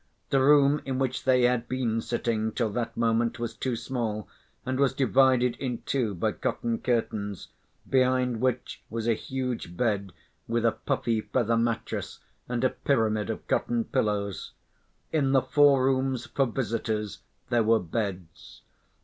The room in which they had been sitting till that moment was too small, and was divided in two by cotton curtains, behind which was a huge bed with a puffy feather mattress and a pyramid of cotton pillows. In the four rooms for visitors there were beds.